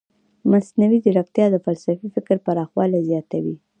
مصنوعي ځیرکتیا د فلسفي فکر پراخوالی زیاتوي.